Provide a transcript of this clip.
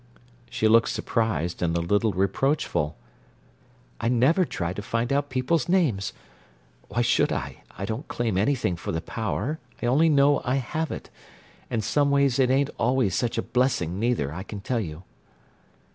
She looked surprised and a little reproachful. "Why, no. I never try to find out people's name. Why should I? I don't claim anything for the power; I only know I have it—and some ways it ain't always such a blessing, neither, I can tell you!"